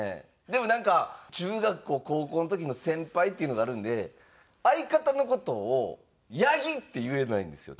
でもなんか中学校高校の時の先輩っていうのがあるんで相方の事を「八木」って言えないんですよ。